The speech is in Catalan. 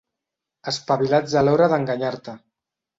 Espavilats a l'hora d'enganyar-te.